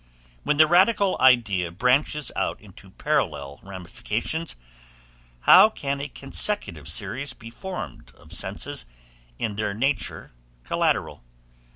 When the radical idea branches out into parallel ramifications, how can a consecutive series be formed of senses in their nature collateral?